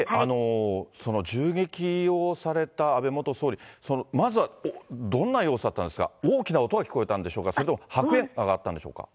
銃撃をされた安倍元総理、まずはどんな様子だったんですか、大きな音が聞こえたんでしょうか、それとも白煙が上がったんでしょうか。